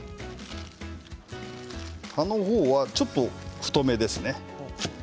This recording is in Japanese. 葉の方はちょっと太めですね。